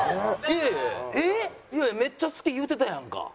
いやめっちゃ好き言うてたやんか。